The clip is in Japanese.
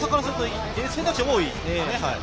選択肢が多いですね。